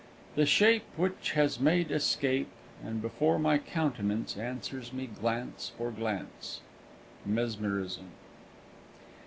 "The shape Which has made escape, And before my countenance Answers me glance for glance." _Mesmerism.